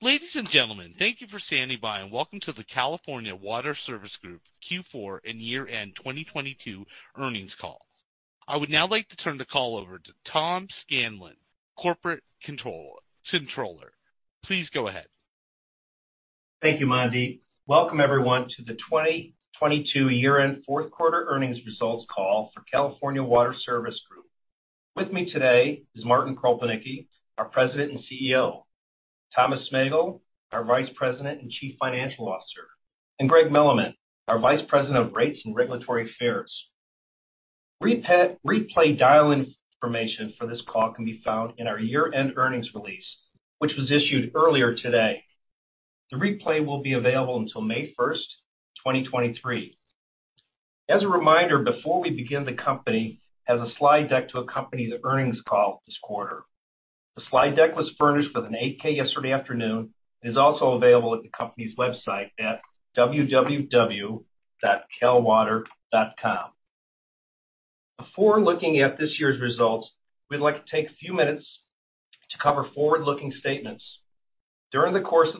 Ladies and gentlemen, thank you for standing by and welcome to the California Water Service Group Q4 and year-end 2022 earnings call. I would now like to turn the call over to Tom Scanlon, Corporate Controller. Please go ahead. Thank you, Mandy. Welcome everyone to the 2022 year-end Q4 earnings results call for California Water Service Group. With me today is Martin Kropelnicki, our President and CEO, Thomas Smegal, our Vice President and Chief Financial Officer, and Greg Milleman, our Vice President of Rates and Regulatory Affairs. Replay dial-in information for this call can be found in our year-end earnings release, which was issued earlier today. The replay will be available until May 1st, 2023. As a reminder, before we begin, the company has a slide deck to accompany the earnings call this quarter. The slide deck was furnished with an 8-K yesterday afternoon, and is also available at the company's website at www.calwater.com. Before looking at this year's results, we'd like to take a few minutes to cover forward-looking statements. Because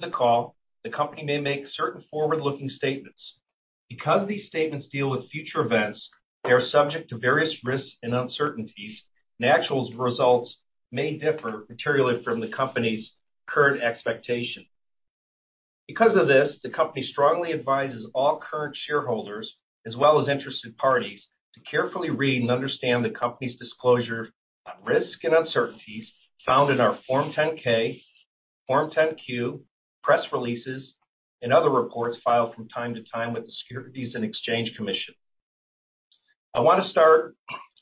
these statements deal with future events, they are subject to various risks and uncertainties, and the actual results may differ materially from the company's current expectations. The company strongly advises all current shareholders as well as interested parties to carefully read and understand the company's disclosure on risks and uncertainties found in our Form 10-K, Form 10-Q, press releases, and other reports filed from time to time with the Securities and Exchange Commission. I want to start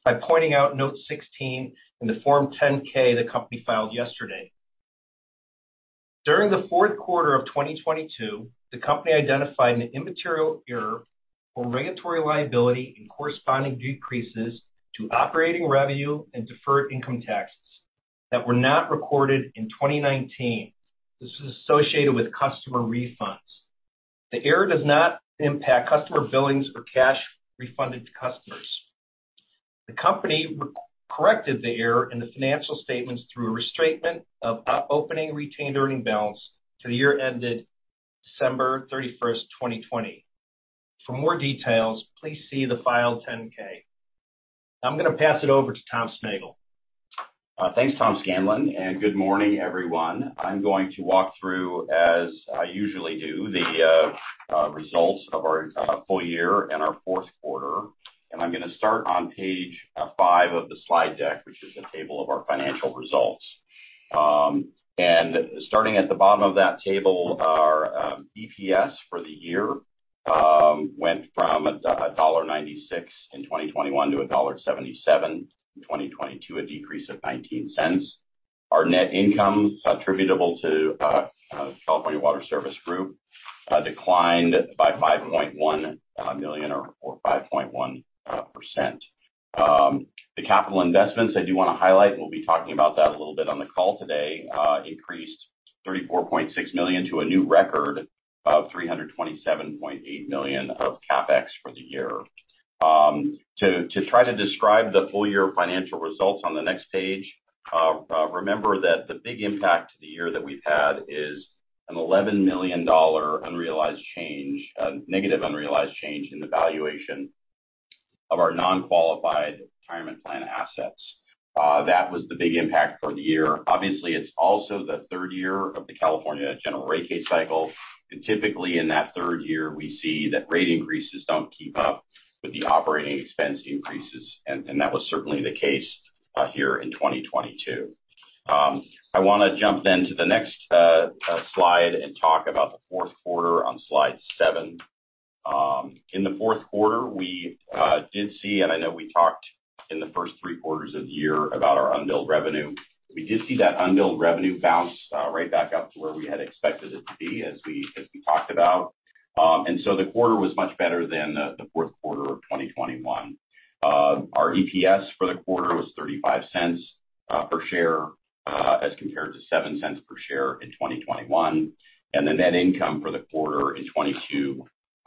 by pointing out note 16 in the Form 10-K the company filed yesterday. During the Q4 of 2022, the company identified an immaterial error for regulatory liability and corresponding decreases to operating revenue and deferred income taxes that were not recorded in 2019. This is associated with customer refunds. The error does not impact customer billings or cash refunded to customers. The company re-corrected the error in the financial statements through a restatement of opening retained earning balance to the year ended December 31st, 2020. For more details, please see the filed 10-K. I'm gonna pass it over to Tom Smegal. Thanks, Tom Scanlon, and good morning, everyone. I'm going to walk through, as I usually do, the results of our full year and our Q4. I'm gonna start on page five of the slide deck, which is a table of our financial results. Starting at the bottom of that table are EPS for the year went from $1.96 in 2021 to $1.77 in 2022, a decrease of $0.19. Our net income attributable to California Water Service Group declined by $5.1 million or 5.1%. The capital investments I do wanna highlight, we'll be talking about that a little bit on the call today, increased $34.6 million to a new record of $327.8 million of CapEx for the year. to try to describe the full year financial results on the next page, remember that the big impact to the year that we've had is an $11 million unrealized change, negative unrealized change in the valuation of our non-qualified retirement plan assets. That was the big impact for the year. Obviously, it's also the third year of the California General Rate Case cycle, and typically in that third year, we see that rate increases don't keep up with the operating expense increases, and that was certainly the case, here in 2022. I wanna jump then to the next slide and talk about the Q4 on slide seven. In the Q4, we did see, and I know we talked in the first three quarters of the year about our unbilled revenue. We did see that unbilled revenue bounce right back up to where we had expected it to be as we, as we talked about. So the quarter was much better than the Q4 of 2021. Our EPS for the quarter was $0.35 per share as compared to $0.07 per share in 2021.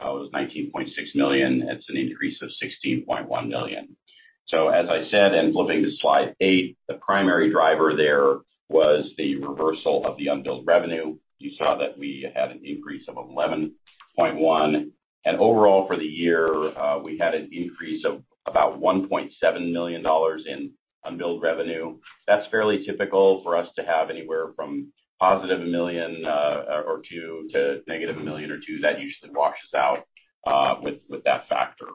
The net income for the quarter in 2022 was $19.6 million. That's an increase of $16.1 million. As I said, and flipping to slide eight, the primary driver there was the reversal of the unbilled revenue. You saw that we had an increase of $11.1. Overall, for the year, we had an increase of about $1.7 million in unbilled revenue. That's fairly typical for us to have anywhere from positive $1 million or $2 million to negative $1 million or $2 million. That usually washes out with that factor.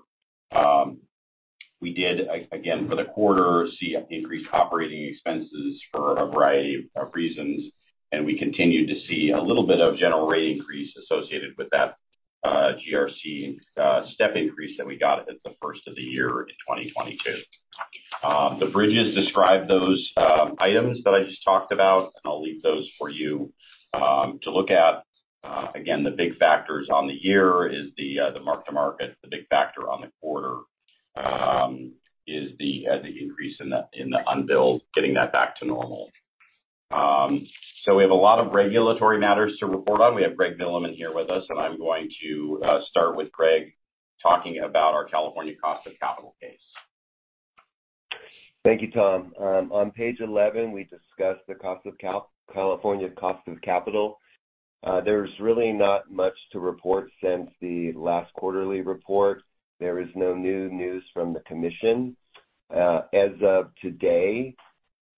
We did, again for the quarter, see increased operating expenses for a variety of reasons, and we continued to see a little bit of general rate increase associated with that GRC step increase that we got at the first of the year in 2022. The bridges describe those items that I just talked about, and I'll leave those for you to look at. Again, the big factors on the year is the mark-to-market. The big factor on the quarter is the increase in the in the unbilled, getting that back to normal. We have a lot of regulatory matters to report on. We have Greg Milleman here with us, and I'm going to start with Greg talking about our California cost of capital case. Thank you, Tom. On page 11, we discussed the cost of California cost of capital. There's really not much to report since the last quarterly report. There is no new news from the Commission. As of today,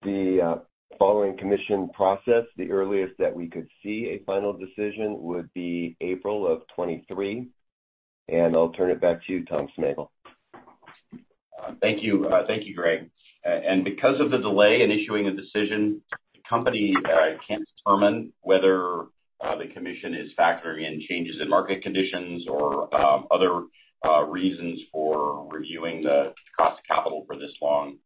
the following Commission process, the earliest that we could see a final decision would be April of 2023. I'll turn it back to you, Tom Smegal. Thank you. Thank you, Greg. Because of the delay in issuing a decision, the company can't determine whether the commission is factoring in changes in market conditions or other reasons for reviewing the cost of capital for this long.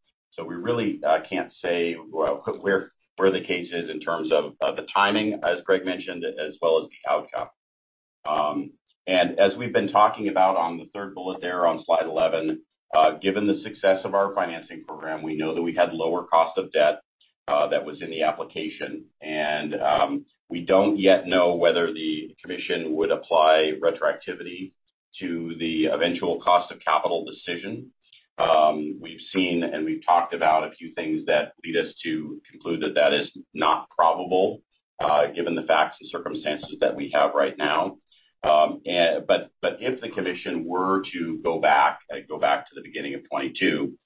We really can't say where the case is in terms of the timing, as Greg mentioned, as well as the outcome. As we've been talking about on the third bullet there on slide 11, given the success of our financing program, we know that we had lower cost of debt that was in the application. We don't yet know whether the commission would apply retroactivity to the eventual cost of capital decision. We've seen and we've talked about a few things that lead us to conclude that that is not probable, given the facts and circumstances that we have right now. If the Commission were to go back to the beginning of 2022,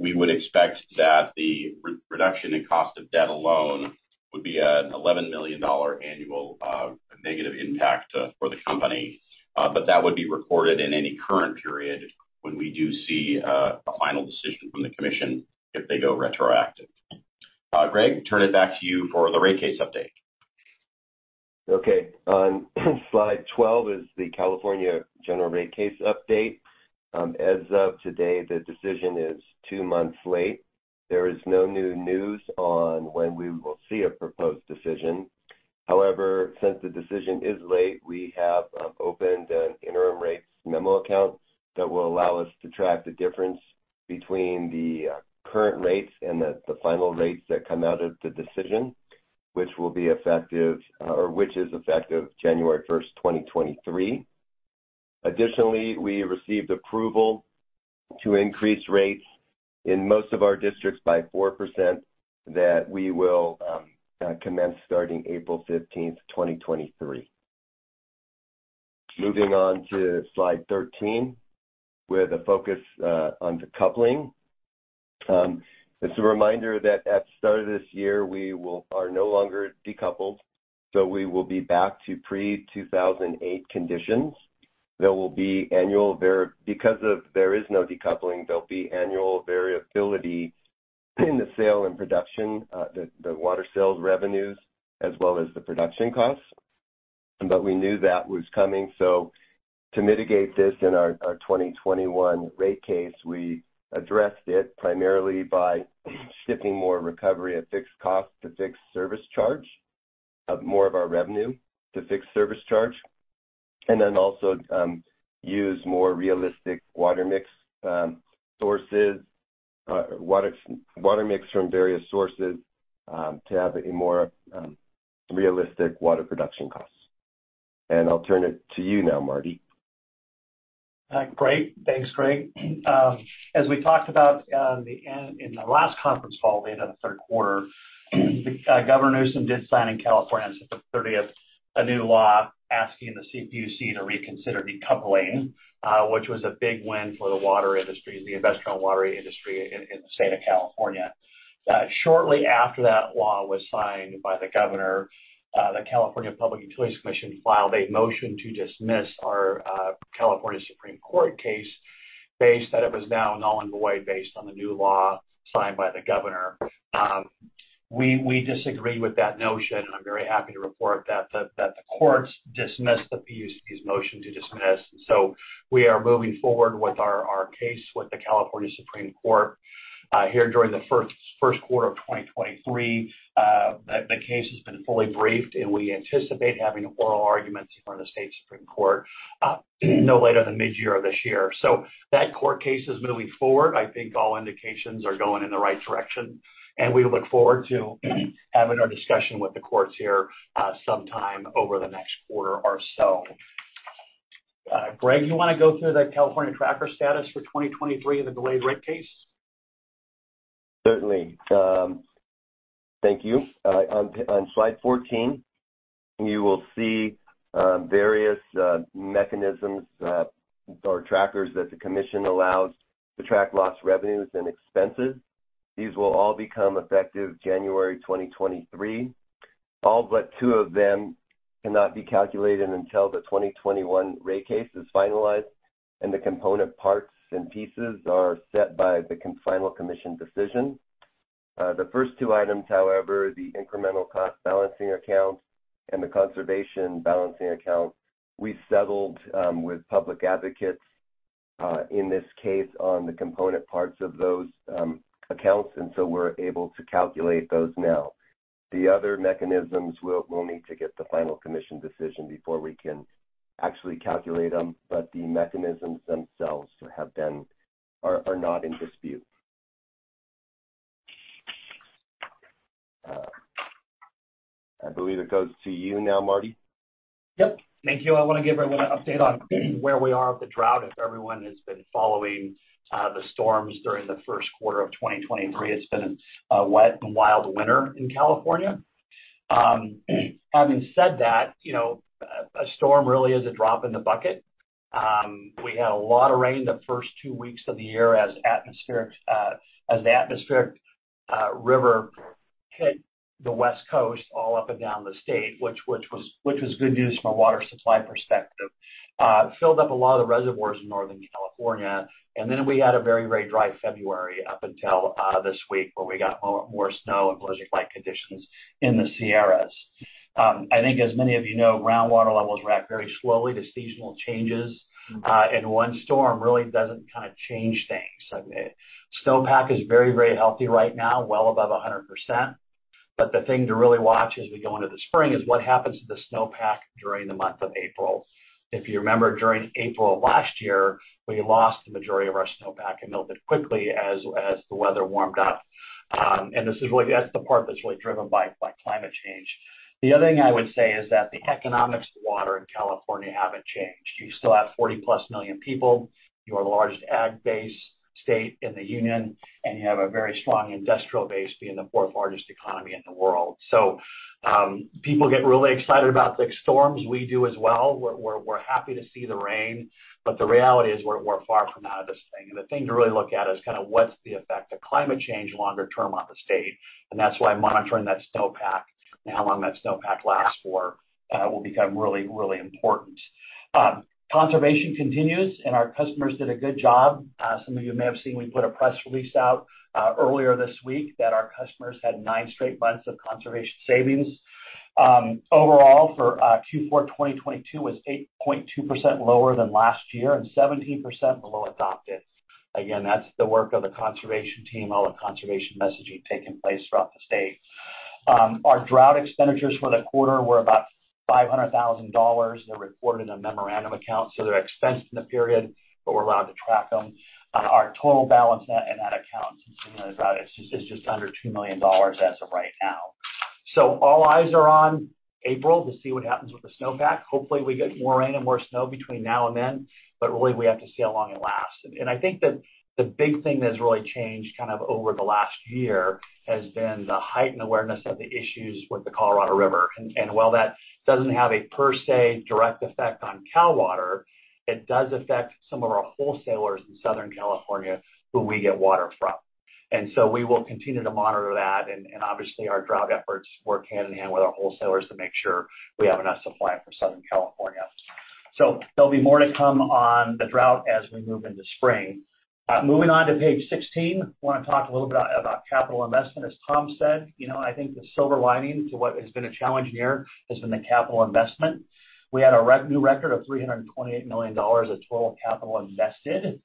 we would expect that the re-reduction in cost of debt alone would be an $11 million annual negative impact for the company. That would be reported in any current period when we do see a final decision from the Commission if they go retroactive. Greg, turn it back to you for the rate case update. On slide 12 is the California General Rate Case update. As of today, the decision is two months late. There is no new news on when we will see a proposed decision. However, since the decision is late, we have opened an interim rates memo account that will allow us to track the difference between the current rates and the final rates that come out of the decision, which will be effective or which is effective January 1st, 2023. Additionally, we received approval to increase rates in most of our districts by 4% that we will commence starting April 15th, 2023. Moving on to slide 13, with a focus on decoupling. It's a reminder that at the start of this year, we are no longer decoupled, so we will be back to pre-2008 conditions. There will be annual because of there is no decoupling, there'll be annual variability in the sale and production, the water sales revenues as well as the production costs. We knew that was coming, so to mitigate this in our 2021 rate case, we addressed it primarily by shifting more recovery at fixed cost to fixed service charge of more of our revenue to fixed service charge. Also, use more realistic water mix sources, water mix from various sources, to have a more realistic water production costs. I'll turn it to you now, Marty. Great. Thanks, Greg. As we talked about, in the last conference call at the end of the Q3, Governor Newsom did sign in California since the 30th, a new law asking the CPUC to reconsider decoupling, which was a big win for the water industry, the investment on water industry in the state of California. Shortly after that law was signed by the governor, the California Public Utilities Commission filed a motion to dismiss our California Supreme Court case based that it was now null and void based on the new law signed by the governor. We disagree with that notion, and I'm very happy to report that the courts dismissed the PUC's motion to dismiss. We are moving forward with our case with the California Supreme Court, here during the Q1 of 2023. The case has been fully briefed, and we anticipate having oral arguments before the state Supreme Court, no later than mid-year this year. That court case is moving forward. I think all indications are going in the right direction, and we look forward to having our discussion with the courts here, sometime over the next quarter or so. Greg, you wanna go through the California tracker status for 2023 and the delayed rate case? Certainly. Thank you. On slide 14, you will see various mechanisms or trackers that the Commission allows to track lost revenues and expenses. These will all become effective January 2023. All but two of them cannot be calculated until the 2021 Rate Case is finalized and the component parts and pieces are set by the final Commission decision. The first two items, however, the Incremental Cost Balancing Account and the Conservation Balancing Account, we settled with Public Advocates in this case on the component parts of those accounts. We're able to calculate those now. The other mechanisms, we'll need to get the final Commission decision before we can actually calculate them, the mechanisms themselves are not in dispute. I believe it goes to you now, Marty. Yep. Thank you. I want to give everyone an update on where we are with the drought. If everyone has been following the storms during the Q1 of 2023, it's been a wet and wild winter in California. Having said that, you know, a storm really is a drop in the bucket. We had a lot of rain the first two weeks of the year as the atmospheric river hit the West Coast all up and down the state, which was good news from a water supply perspective. It filled up a lot of the reservoirs in Northern California, we had a very dry February up until this week, where we got a lot more snow and blizzard-like conditions in the Sierras. I think as many of you know, groundwater levels rise very slowly to seasonal changes, and one storm really doesn't kinda change things. Snowpack is very, very healthy right now, well above 100%. The thing to really watch as we go into the spring is what happens to the snowpack during the month of April. If you remember, during April of last year, we lost the majority of our snowpack and melted quickly as the weather warmed up. That's the part that's really driven by climate change. The other thing I would say is that the economics of water in California haven't changed. You still have 40-plus million people, you're the largest ag base state in the Union, and you have a very strong industrial base, being the fourth-largest economy in the world. People get really excited about the storms. We do as well. We're happy to see the rain. The reality is, we're far from out of this thing. The thing to really look at is kinda what's the effect of climate change longer term on the state. That's why monitoring that snowpack and how long that snowpack lasts for, will become really, really important. Conservation continues, and our customers did a good job. Some of you may have seen we put a press release out earlier this week that our customers had nine straight months of conservation savings. Overall for Q4 2022 was 8.2% lower than last year and 17% below adopted. Again, that's the work of the conservation team, all the conservation messaging taking place throughout the state. Our drought expenditures for the quarter were about $500,000. They're reported in a memorandum account, so they're expensed in the period, but we're allowed to track them. Our total balance in that account since the beginning of the drought is just under $2 million as of right now. All eyes are on April to see what happens with the snowpack. Hopefully, we get more rain and more snow between now and then, but really, we have to see how long it lasts. I think that the big thing that has really changed kind of over the last year has been the heightened awareness of the issues with the Colorado River. While that doesn't have a per se direct effect on Cal Water, it does affect some of our wholesalers in Southern California who we get water from. We will continue to monitor that and obviously, our drought efforts work hand-in-hand with our wholesalers to make sure we have enough supply for Southern California. There'll be more to come on the drought as we move into spring. Moving on to page 16, wanna talk a little bit about capital investment. As Tom said, you know, I think the silver lining to what has been a challenging year has been the capital investment. We had a new record of $328 million of total capital invested,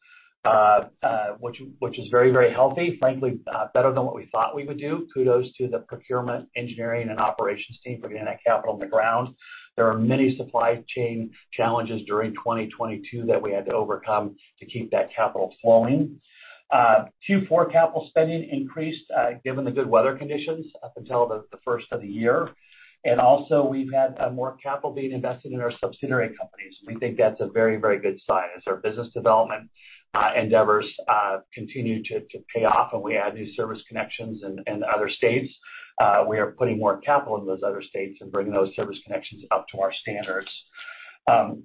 which is very, very healthy. Frankly, better than what we thought we would do. Kudos to the procurement, engineering, and operations team for getting that capital in the ground. There are many supply chain challenges during 2022 that we had to overcome to keep that capital flowing. Q4 capital spending increased, given the good weather conditions up until the first of the year. Also, we've had more capital being invested in our subsidiary companies. We think that's a very, very good sign as our business development endeavors continue to pay off, and we add new service connections in other states. We are putting more capital in those other states and bringing those service connections up to our standards.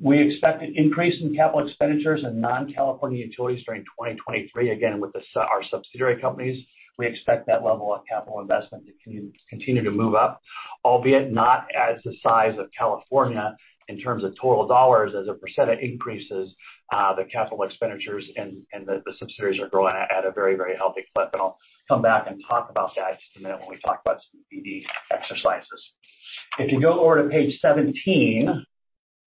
We expect an increase in capital expenditures and non-California utilities during 2023. Again, with our subsidiary companies, we expect that level of capital investment to continue to move up, albeit not as the size of California in terms of total dollars. As a percent, it increases, the capital expenditures and the subsidiaries are growing at a very, very healthy clip. I'll come back and talk about that in just a minute when we talk about some BD exercises. If you go over to page 17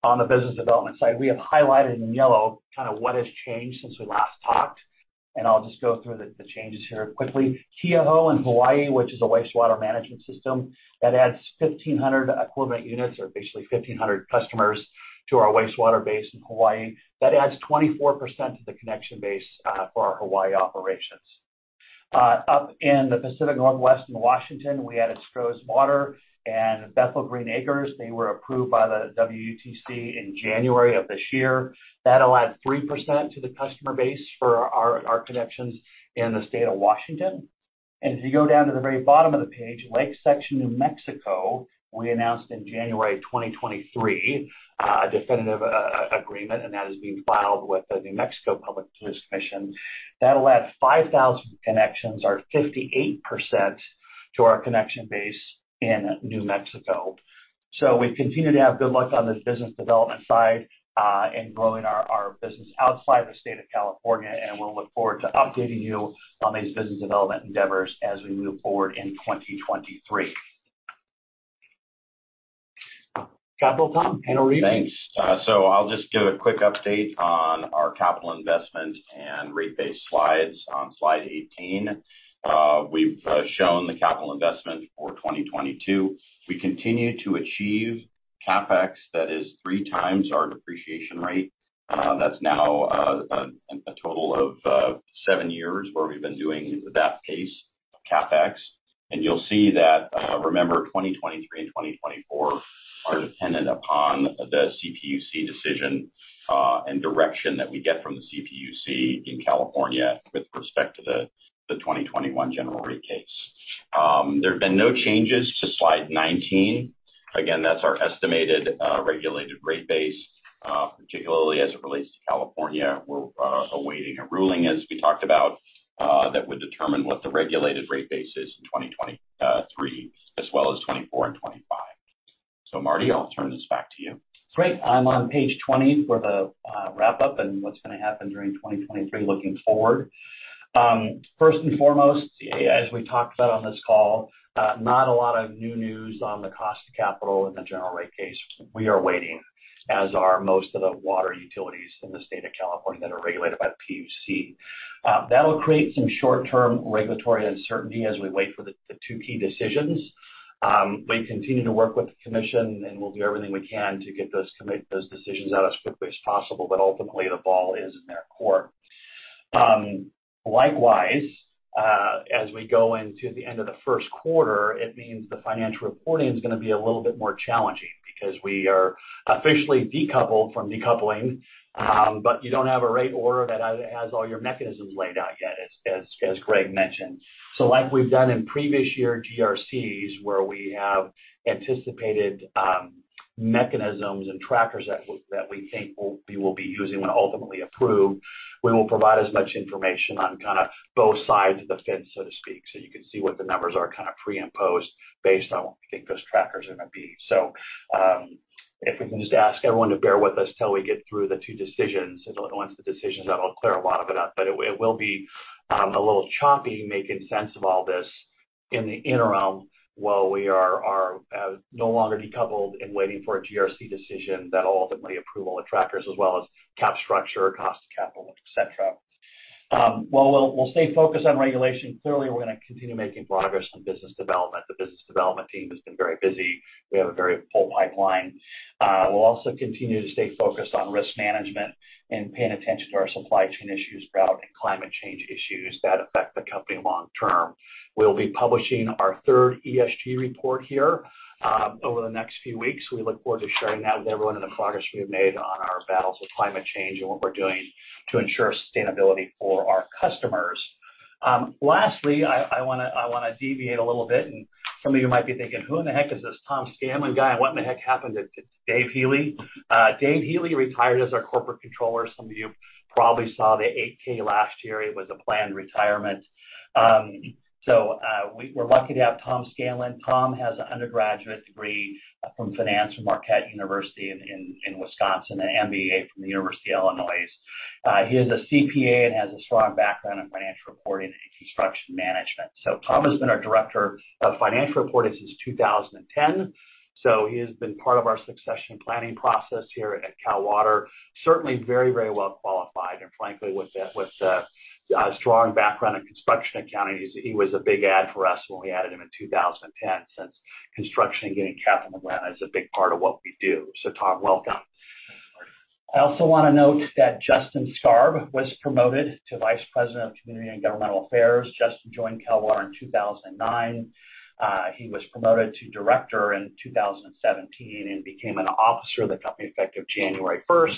on the business development side, we have highlighted in yellow kind of what has changed since we last talked, and I'll just go through the changes here quickly. Keauhou in Hawaii, which is a wastewater management system, that adds 1,500 equivalent units or basically 1,500 customers to our wastewater base in Hawaii. That adds 24% to the connection base for our Hawaii operations. Up in the Pacific Northwest in Washington, we added Stroh's Water and Bethel Green Acres. They were approved by the WUTC in January of this year. That'll add 3% to the customer base for our connections in the state of Washington. If you go down to the very bottom of the page, Lake Section, New Mexico, we announced in January 2023 a definitive agreement, and that is being filed with the New Mexico Public Regulation Commission. That'll add 5,000 connections or 58% to our connection base in New Mexico. We continue to have good luck on this business development side in growing our business outside the state of California, and we'll look forward to updating you on these business development endeavors as we move forward in 2023. Capital, Tom, and overview. Thanks. I'll just give a quick update on our capital investment and rate base slides. On slide 18, we've shown the capital investment for 2022. We continue to achieve CapEx that is 3x our depreciation rate, that's now a total of seven years where we've been doing that pace of CapEx. You'll see that, remember, 2023 and 2024 are dependent upon the CPUC decision and direction that we get from the CPUC in California with respect to the 2021 General Rate Case. There have been no changes to slide 19. Again, that's our estimated regulated rate base, particularly as it relates to California. We're awaiting a ruling, as we talked about, that would determine what the regulated rate base is in 2023, as well as 24 and 25.Marty, I'll turn this back to you. Great. I'm on page 20 for the wrap up and what's gonna happen during 2023 looking forward. First and foremost, as we talked about on this call, not a lot of new news on the cost of capital in the General Rate Case. We are waiting, as are most of the water utilities in the state of California that are regulated by PUC. That'll create some short-term regulatory uncertainty as we wait for the 2 key decisions. We continue to work with the Commission and we'll do everything we can to make those decisions out as quickly as possible, but ultimately the ball is in their court. Likewise, as we go into the end of the Q1, it means the financial reporting is gonna be a little bit more challenging because we are officially decoupled from decoupling, but you don't have a rate order that has all your mechanisms laid out yet, as Greg mentioned. Like we've done in previous year GRCs, where we have anticipated mechanisms and trackers that we think we'll, we will be using when ultimately approved, we will provide as much information on kinda both sides of the fence, so to speak, so you can see what the numbers are kinda pre and post based on what we think those trackers are gonna be. If we can just ask everyone to bear with us till we get through the two decisions. Once the decisions, that'll clear a lot of it up. It will be a little choppy making sense of all this in the interim while we are no longer decoupled and waiting for a GRC decision that'll ultimately approve all the trackers as well as cap structure, cost of capital, et cetera. While we'll stay focused on regulation, clearly we're gonna continue making progress on business development. The business development team has been very busy. We have a very full pipeline. We'll also continue to stay focused on risk management and paying attention to our supply chain issues, drought and climate change issues that affect the company long term. We'll be publishing our third ESG report here over the next few weeks. We look forward to sharing that with everyone and the progress we have made on our battles with climate change and what we're doing to ensure sustainability for our customers. Lastly, I wanna deviate a little bit and some of you might be thinking, 'Who in the heck is this Tom Scanlon guy, and what in the heck happened to Dave Healey?' Dave Healey retired as our corporate controller. Some of you probably saw the 8-K last year. It was a planned retirement. We're lucky to have Tom Scanlon. Tom has an undergraduate degree from finance from Marquette University in Wisconsin, an MBA from the University of Illinois. He is a CPA and has a strong background in financial reporting and construction management. Tom has been our Director of Financial Reporting since 2010, he has been part of our succession planning process here at Cal Water. Certainly very, very well qualified and frankly, with a, with a strong background in construction accounting, he was a big add for us when we added him in 2010, since construction and getting capital grant is a big part of what we do. Tom, welcome. I also wanna note that Justin Starb was promoted to Vice President of Community and Governmental Affairs. Justin joined Cal Water in 2009. He was promoted to director in 2017 and became an officer of the company effective January 1st,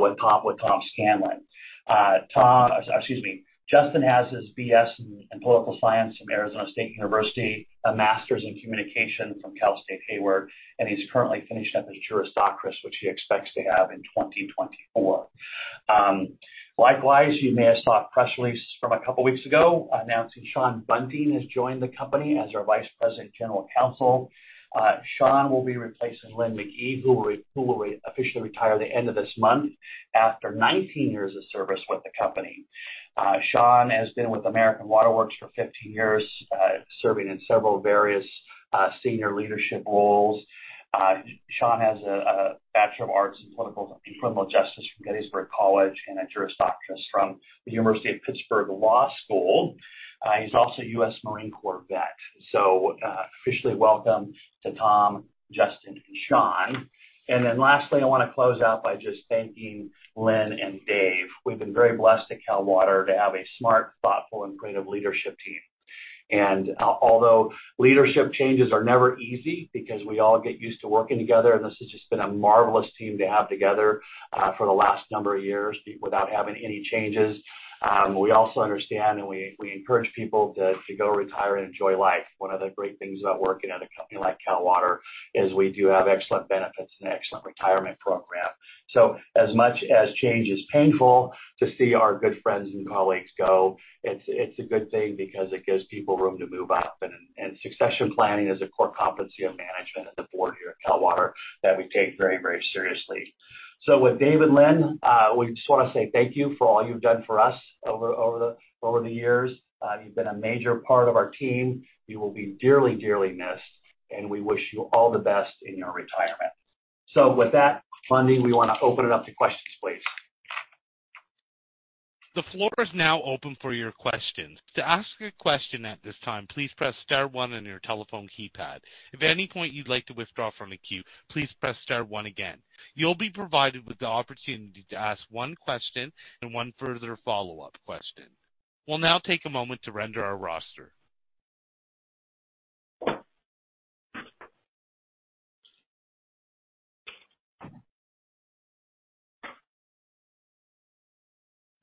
with Tom Scanlon. Excuse me. Justin has his BS in political science from Arizona State University, a Master's in Communication from Cal State Hayward. He's currently finishing up his Juris Doctor, which he expects to have in 2024. Likewise, you may have saw a press release from a couple weeks ago announcing Shawn Bunting has joined the company as our Vice President, General Counsel. Shawn will be replacing Lynne McGhee, who will officially retire at the end of this month after 19 years of service with the company. Shawn has been with American Water Works for 15 years, serving in several various senior leadership roles. Shawn has a Bachelor of Arts in Political and Criminal Justice from Gettysburg College. He has a Juris Doctor from the University of Pittsburgh School of Law. He's also a US Marine Corps vet. Officially welcome to Tom, Justin, and Shawn. Lastly, I wanna close out by just thanking Lynne and Dave. We've been very blessed at Cal Water to have a smart, thoughtful, and creative leadership team. Although leadership changes are never easy because we all get used to working together, and this has just been a marvelous team to have together for the last number of years without having any changes. We also understand and we encourage people to go retire and enjoy life. One of the great things about working at a company like Cal Water is we do have excellent benefits and excellent retirement program. as much as change is painful to see our good friends and colleagues go, it's a good thing because it gives people room to move up and succession planning is a core competency of management and the board here at Cal Water that we take very, very seriously. With Dave and Lynn, we just wanna say thank you for all you've done for us over the years. You've been a major part of our team. You will be dearly missed, and we wish you all the best in your retirement. With that, Bundy, we wanna open it up to questions, please. The floor is now open for your questions. To ask a question at this time, please press star one on your telephone keypad. If at any point you'd like to withdraw from a queue, please press star one again. You'll be provided with the opportunity to ask one question and one further follow-up question. We'll now take a moment to render our roster.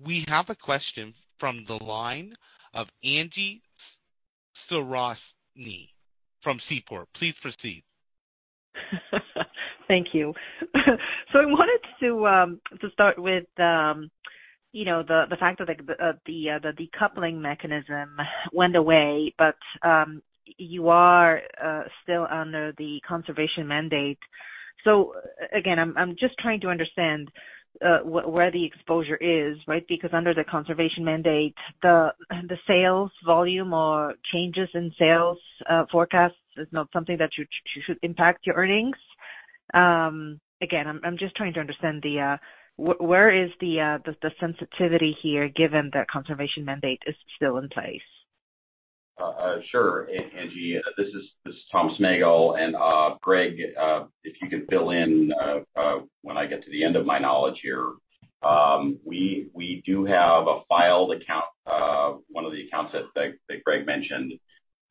We have a question from the line of Angie Storozynski from Seaport. Please proceed. Thank you. I wanted to start with, you know, the fact that the decoupling mechanism went away, but you are still under the conservation mandate. Again, I'm just trying to understand where the exposure is, right? Because under the conservation mandate, the sales volume or changes in sales forecasts is not something that should impact your earnings. Again, I'm just trying to understand the where is the sensitivity here, given the conservation mandate is still in place? Sure, Angie Storozynski, this is Tom Smegal. Greg, if you could fill in when I get to the end of my knowledge here. We do have a filed account, one of the accounts that Greg Milleman mentioned.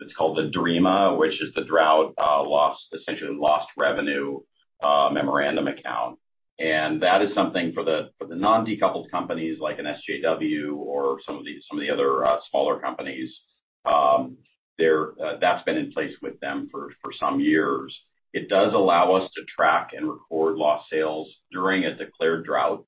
It's called the DLRMA, which is the drought lost essentially lost revenue memorandum account. That is something for the non-decoupled companies like an SJW or some of these, some of the other smaller companies. That's been in place with them for some years. It does allow us to track and record lost sales during a declared drought.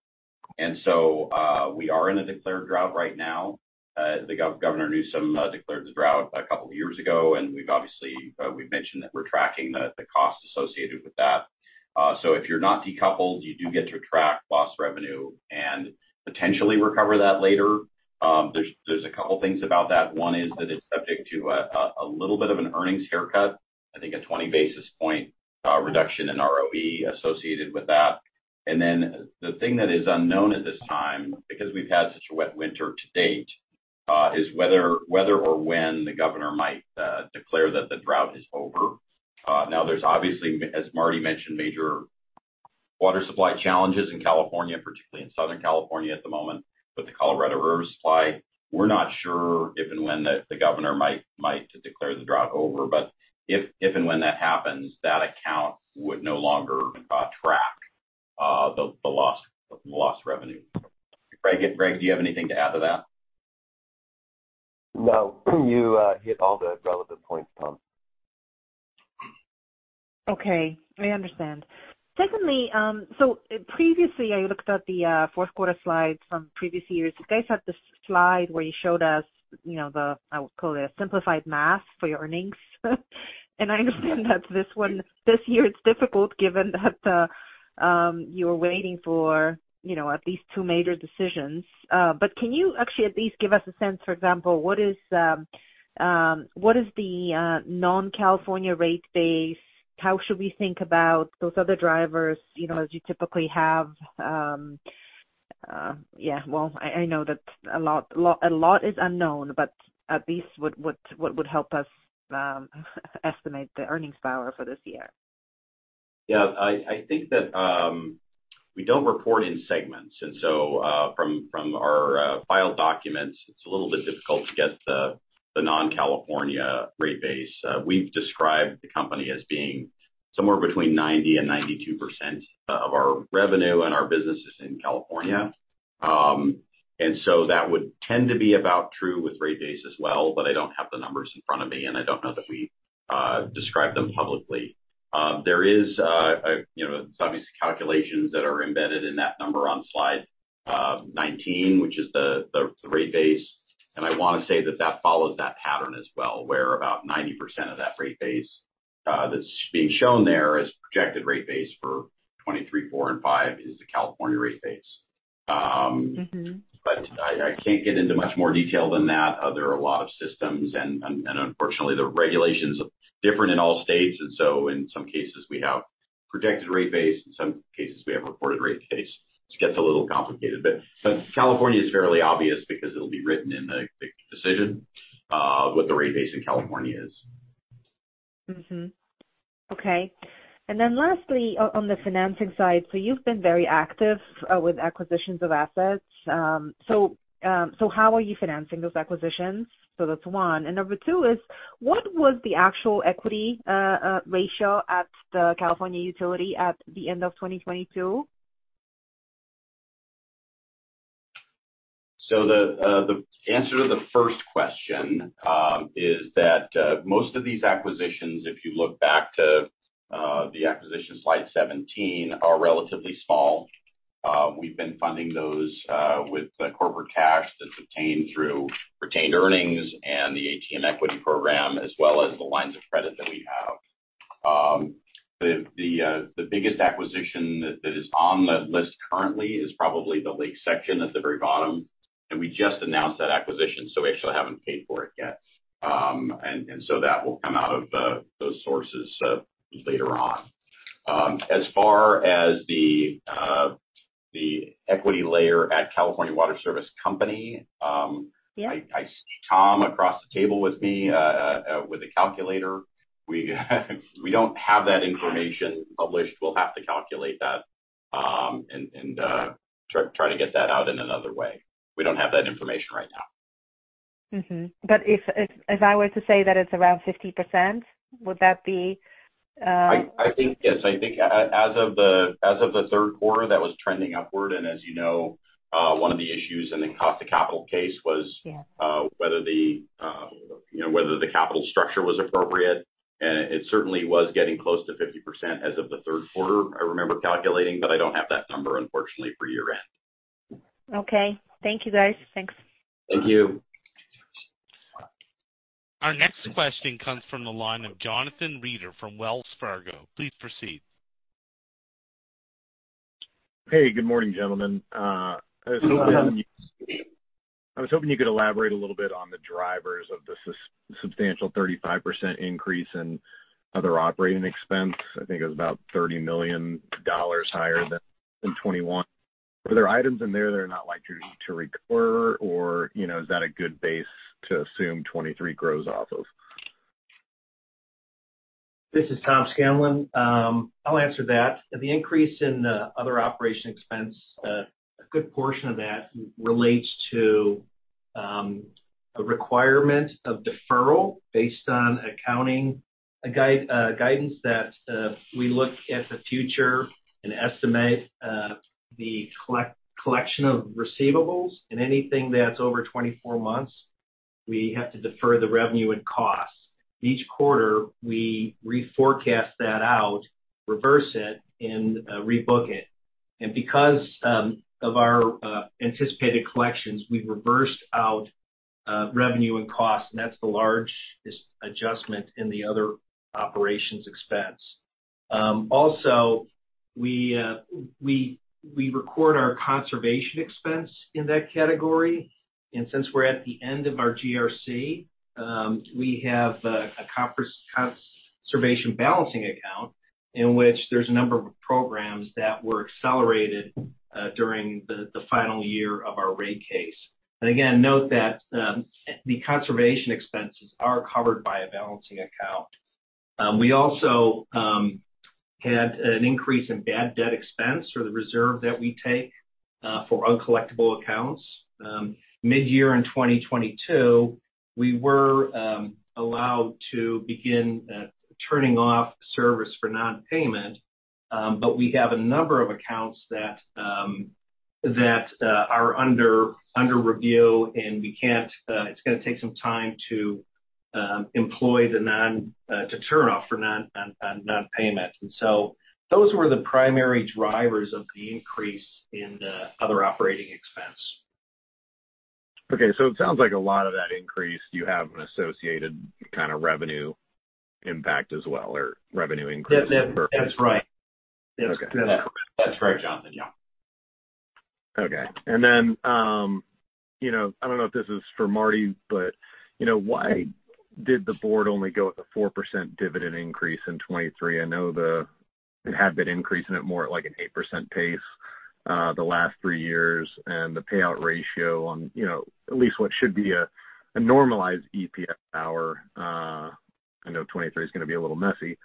We are in a declared drought right now. The Governor Newsom declared the drought a couple of years ago, and we've obviously, we've mentioned that we're tracking the costs associated with that. If you're not decoupled, you do get to track lost revenue and potentially recover that later. There's a couple of things about that. One is that it's subject to a little bit of an earnings haircut. I think a 20 basis point reduction in ROE associated with that. The thing that is unknown at this time, because we've had such a wet winter to date, is whether or when the Governor might declare that the drought is over. There's obviously, as Marty mentioned, major water supply challenges in California, particularly in Southern California at the moment. The Colorado River supply, we're not sure if and when the governor might declare the drought over. If and when that happens, that account would no longer track the lost revenue. Greg, do you have anything to add to that? No. You hit all the relevant points, Tom. Okay, I understand. Secondly, previously, I looked at the Q4 slides from previous years. You guys had this slide where you showed us, you know, the, I would call it a simplified math for your earnings. I understand that this year it's difficult given that you're waiting for, you know, at least two major decisions. Can you actually at least give us a sense, for example, what is the non-California rate base? How should we think about those other drivers, you know, as you typically have? Yeah, well, I know that a lot is unknown, at least what would help us estimate the earnings power for this year? Yeah, I think that, we don't report in segments. from our file documents, it's a little bit difficult to get the non-California rate base. We've described the company as being somewhere between 90% and 92% of our revenue and our business is in California. that would tend to be about true with rate base as well, but I don't have the numbers in front of me, and I don't know that we describe them publicly. There is, you know, some of these calculations that are embedded in that number on slide 19, which is the rate base.I wanna say that that follows that pattern as well, where about 90% of that rate base, that's being shown there is projected rate base for 2023, 2024, and 2025 is the California rate base. Mm-hmm. I can't get into much more detail than that. There are a lot of systems and unfortunately, the regulations are different in all states. In some cases, we have projected rate base, in some cases, we have reported rate base. It gets a little complicated, but California is fairly obvious because it'll be written in the decision, what the rate base in California is. Mm-hmm. Okay. Lastly, on the financing side, so you've been very active with acquisitions of assets. How are you financing those acquisitions? That's one. Number two is, what was the actual equity ratio at the California utility at the end of 2022? The answer to the first question is that most of these acquisitions, if you look back to the acquisition slide 17, are relatively small. We've been funding those with the corporate cash that's obtained through retained earnings and the ATM equity program, as well as the lines of credit that we have. The biggest acquisition that is on the list currently is probably the Lake Section at the very bottom. We just announced that acquisition, so we actually haven't paid for it yet. That will come out of those sources later on. As far as the equity layer at California Water Service Company. Yeah I see Tom across the table with me with a calculator. We don't have that information published. We'll have to calculate that, and to get that out in another way. We don't have that information right now. If I were to say that it's around 50%, would that be? I think yes. I think as of the third quarter, that was trending upward. As you know, one of the issues in the cost of capital case was. Yeah... whether the, you know, whether the capital structure was appropriate. It certainly was getting close to 50% as of the Q3, I remember calculating, but I don't have that number unfortunately for year-end. Okay. Thank you, guys. Thanks. Thank you. Our next question comes from the line of Jonathan Reeder from Wells Fargo. Please proceed. Hey, good morning, gentlemen. I was hoping. Good morning. I was hoping you could elaborate a little bit on the drivers of the substantial 35% increase in other operating expense. I think it was about $30 million higher than in 2021. Were there items in there that are not likely to reoccur or, you know, is that a good base to assume 2023 grows off of? This is Tom Scanlon. I'll answer that. The increase in other operation expense, a good portion of that relates to a requirement of deferral based on accounting guidance that we look at the future and estimate the collection of receivables. Anything that's over 24 months, we have to defer the revenue and costs. Each quarter, we reforecast that out, reverse it, and rebook it. Because of our anticipated collections, we've reversed out revenue and cost, and that's the large adjustment in the other operations expense. Also, we record our conservation expense in that category. Since we're at the end of our GRC, we have a conservation balancing account in which there's a number of programs that were accelerated during the final year of our rate case. Again, note that the conservation expenses are covered by a balancing account. We also had an increase in bad debt expense or the reserve that we take for uncollectible accounts. Midyear in 2022, we were allowed to begin turning off service for non-payment, but we have a number of accounts that are under review and we can't it's gonna take some time to employ to turn off for non-payment. Those were the primary drivers of the increase in the other operating expense. Okay. It sounds like a lot of that increase you have an associated kinda revenue impact as well or revenue increase. That's right. Okay. That's correct. That's right, Jonathan. Yeah. Okay. Then, you know, I don't know if this is for Marty, but, you know, why did the board only go with a 4% dividend increase in 2023? I know it had been increasing at more like an 8% pace, the last three years, and the payout ratio on, you know, at least what should be a normalized EPS now or, I know 2023 is gonna be a little messy.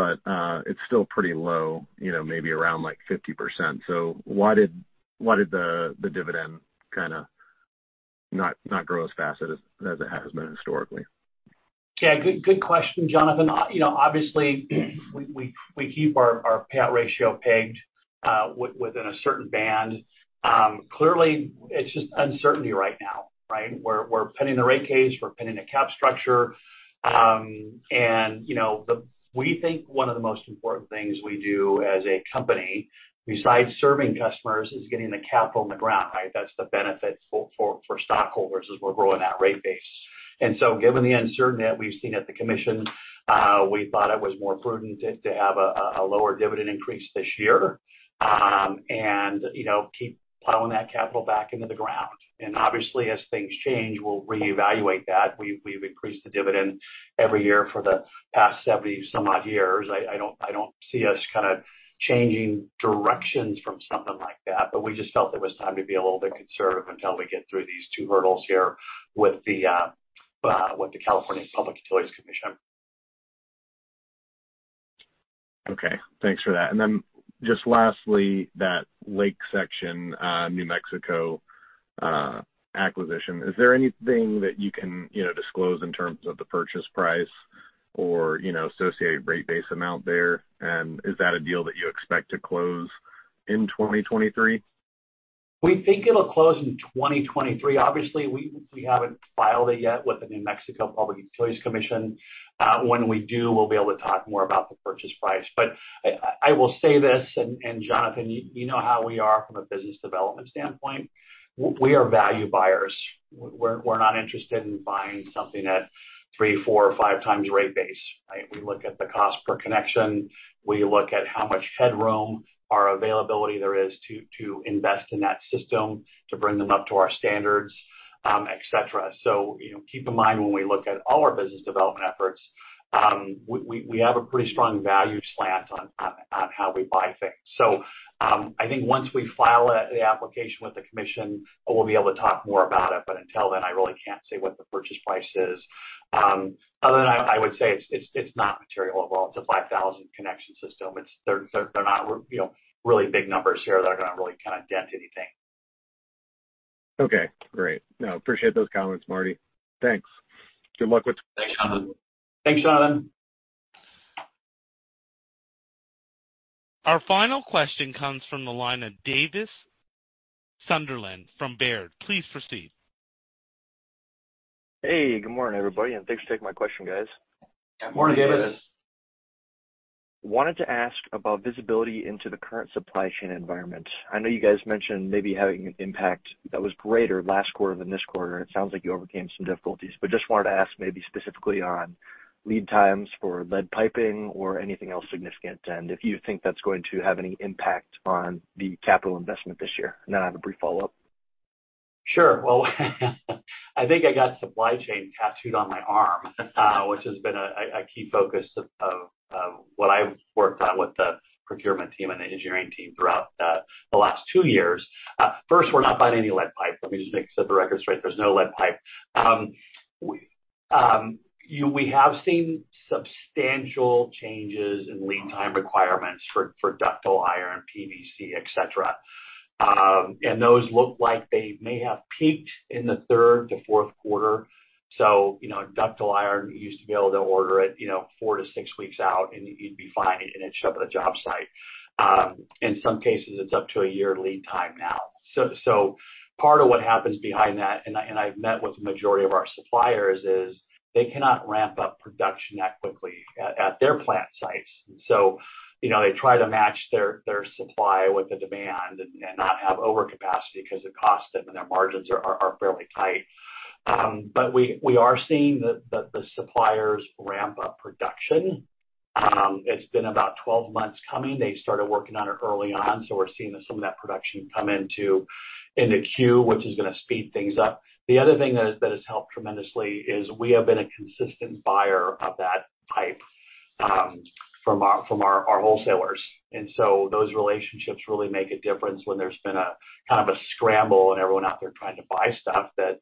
It's still pretty low, you know, maybe around like 50%. Why did the dividend kinda not grow as fast as it has been historically? Good question, Jonathan. You know, obviously we keep our payout ratio pegged within a certain band. Clearly it's just uncertainty right now, right? We're pending the Rate Case. We're pending the cap structure. You know, we think one of the most important things we do as a company besides serving customers is getting the capital in the ground, right? That's the benefits for stockholders as we're growing that rate base. Given the uncertainty that we've seen at the Commission, we thought it was more prudent to have a lower dividend increase this year, you know, keep plowing that capital back into the ground. Obviously as things change, we'll reevaluate that. We've increased the dividend every year for the past 70 some odd years. I don't see us kind of changing directions from something like that, but we just felt it was time to be a little bit conservative until we get through these two hurdles here with the California Public Utilities Commission. Okay. Thanks for that. Then just lastly, that Lake Section, New Mexico, acquisition, is there anything that you can, you know, disclose in terms of the purchase price or, you know, associated rate base amount there? Is that a deal that you expect to close in 2023? We think it'll close in 2023. Obviously, we haven't filed it yet with the New Mexico Public Regulation Commission. When we do, we'll be able to talk more about the purchase price. I will say this, and Jonathan, you know how we are from a business development standpoint. We are value buyers. We're not interested in buying something at 3x, 4x or 5x rate base, right? We look at the cost per connection. We look at how much headroom or availability there is to invest in that system, to bring them up to our standards, et cetera. You know, keep in mind when we look at all our business development efforts, we have a pretty strong value slant on how we buy things. I think once we file the application with the Commission, we'll be able to talk more about it, but until then, I really can't say what the purchase price is. Other than that, I would say it's not material at all to 5,000 connection system. They're not, you know, really big numbers here that are gonna really kinda dent anything. Okay, great. No, appreciate those comments, Marty. Thanks. Good luck with-. Thanks, Jonathan. Our final question comes from the line of Davis Sunderland from Baird. Please proceed. Hey, good morning, everybody, and thanks for taking my question, guys. Good morning, Davis. Wanted to ask about visibility into the current supply chain environment. I know you guys mentioned maybe having an impact that was greater last quarter than this quarter. It sounds like you overcame some difficulties, but just wanted to ask maybe specifically on lead times for lead piping or anything else significant, and if you think that's going to have any impact on the capital investment this year. I have a brief follow-up. Sure. Well, I think I got supply chain tattooed on my arm, which has been a key focus of what I've worked on with the procurement team and the engineering team throughout the last two years. First, we're not buying any lead pipe. Let me just make sure the record's straight. There's no lead pipe. We, you know, we have seen substantial changes in lead time requirements for ductile iron, PVC, et cetera. Those look like they may have peaked in the third to Q4. You know, ductile iron, you used to be able to order it, you know, four-six weeks out, and you'd be fine, and it'd show up at a job site. In some cases, it's up to a year lead time now. Part of what happens behind that, and I've met with the majority of our suppliers, is they cannot ramp up production that quickly at their plant sites. You know, they try to match their supply with the demand and not have overcapacity because it costs them, and their margins are fairly tight. But we are seeing the suppliers ramp up production. It's been about 12 months coming. They started working on it early on, so we're seeing some of that production come into the queue, which is gonna speed things up. The other thing that has helped tremendously is we have been a consistent buyer of that pipe from our wholesalers. Those relationships really make a difference when there's been a kind of a scramble and everyone out there trying to buy stuff that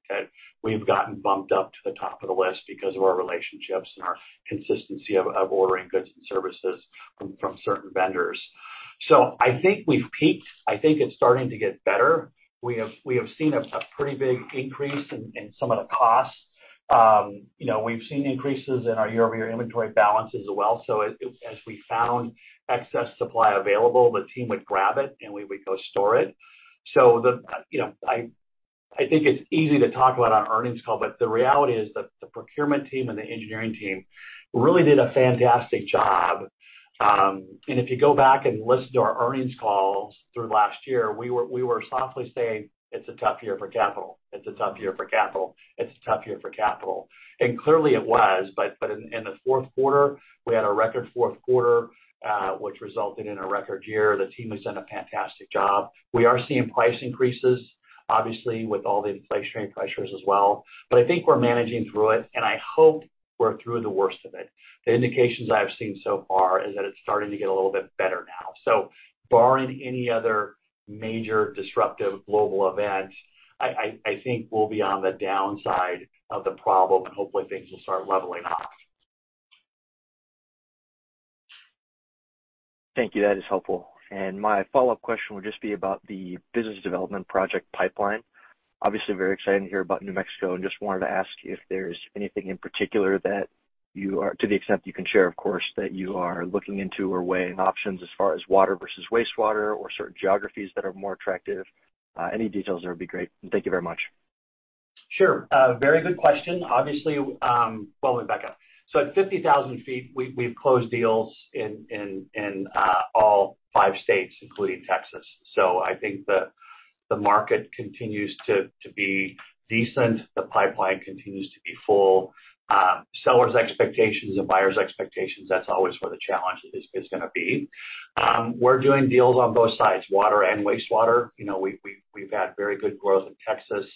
we've gotten bumped up to the top of the list because of our relationships and our consistency of ordering goods and services from certain vendors. I think we've peaked. I think it's starting to get better. We have seen a pretty big increase in some of the costs. You know, we've seen increases in our year-over-year inventory balance as well. As we found excess supply available, the team would grab it, and we would go store it. You know, I think it's easy to talk about on earnings call, but the reality is that the procurement team and the engineering team really did a fantastic job. If you go back and listen to our earnings calls through last year, we were softly saying, "It's a tough year for capital. It's a tough year for capital. It's a tough year for capital." Clearly it was, but in the Q4, we had a record Q4, which resulted in a record year. The team has done a fantastic job. We are seeing price increases, obviously, with all the inflationary pressures as well. I think we're managing through it, and I hope we're through the worst of it. The indications I've seen so far is that it's starting to get a little bit better now. Barring any other major disruptive global events, I think we'll be on the downside of the problem, and hopefully things will start leveling off. Thank you. That is helpful. My follow-up question would just be about the business development project pipeline. Obviously very exciting to hear about New Mexico, and just wanted to ask if there is anything in particular that to the extent you can share, of course, that you are looking into or weighing options as far as water versus wastewater or certain geographies that are more attractive. Any details there would be great. Thank you very much. Sure. Very good question. Obviously, well, let me back up. At 50,000 feet, we've closed deals in all five states, including Texas. I think the market continues to be decent. The pipeline continues to be full. Sellers' expectations and buyers' expectations, that's always where the challenge is gonna be. We're doing deals on both sides, water and wastewater. You know, we've had very good growth in Texas.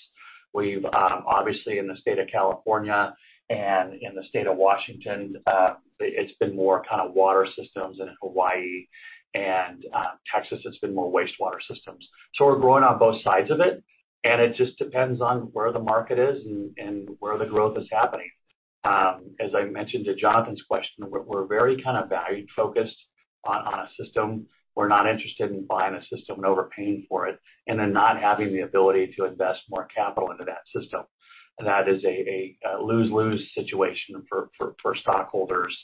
We've obviously in the state of California and in the state of Washington, it's been more kinda water systems. In Hawaii and Texas, it's been more wastewater systems. We're growing on both sides of it, and it just depends on where the market is and where the growth is happening. As I mentioned to Jonathan's question, we're very kind of value-focused on a system. We're not interested in buying a system and overpaying for it, and then not having the ability to invest more capital into that system. That is a lose-lose situation for stockholders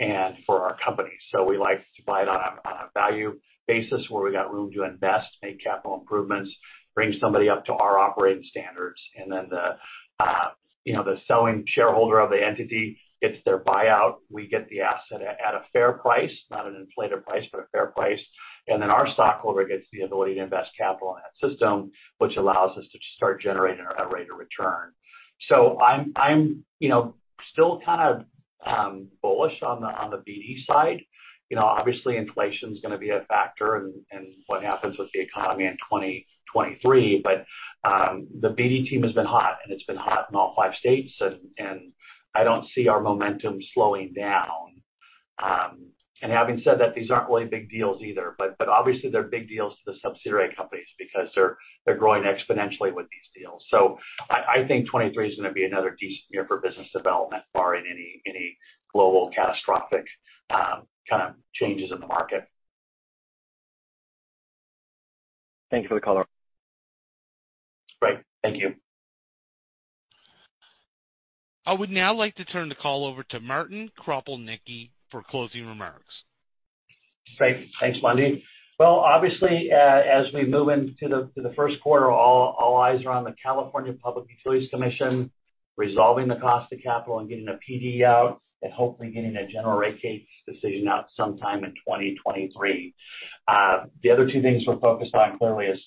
and for our company. We like to buy it on a value basis where we got room to invest, make capital improvements, bring somebody up to our operating standards, and then you know, the selling shareholder of the entity gets their buyout. We get the asset at a fair price, not an inflated price, but a fair price. Our stockholder gets the ability to invest capital in that system, which allows us to start generating our rate of return. I'm, you know, still kind of bullish on the BD side. You know, obviously inflation's gonna be a factor in what happens with the economy in 2023, the BD team has been hot, and it's been hot in all five states. I don't see our momentum slowing down. Having said that, these aren't really big deals either, but obviously they're big deals to the subsidiary companies because they're growing exponentially with these deals. I think 23 is gonna be another decent year for business development barring any global catastrophic kind of changes in the market. Thank you for the call. Great. Thank you. I would now like to turn the call over to Martin Kropelnicki for closing remarks. Great. Thanks, Wendy. Well, obviously, as we move into the Q1, all eyes are on the California Public Utilities Commission resolving the cost of capital and getting a PD out and hopefully getting a general rate case decision out sometime in 2023. The other two things we're focused on clearly is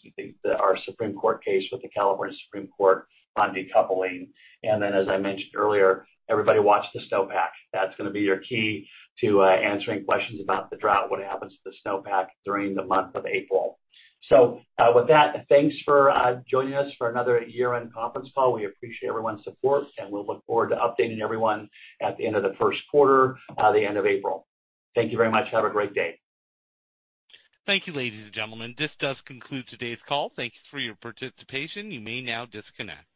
our Supreme Court case with the California Supreme Court on decoupling. As I mentioned earlier, everybody watch the snowpack. That's gonna be your key to answering questions about the drought, what happens to the snowpack during the month of April. With that, thanks for joining us for another year-end conference call. We appreciate everyone's support, and we'll look forward to updating everyone at the end of the Q1, the end of April. Thank you very much. Have a great day. Thank you, ladies and gentlemen. This does conclude today's call. Thank you for your participation. You may now disconnect.